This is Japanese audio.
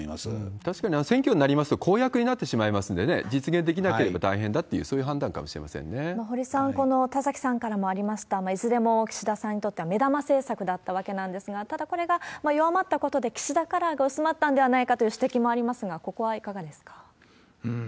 確かに選挙になりますと公約になってしまいますんでね、実現できなければ大変だっていう、堀さん、この田崎さんからもありました、いずれも岸田さんにとっては目玉政策だったわけなんですが、ただ、これが弱まったことで岸田カラーが薄まったんではないかという指摘もありますが、ここはいかがですか？